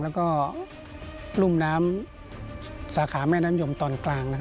แล้วก็รุ่มน้ำสาขาแม่น้ำยมตอนกลาง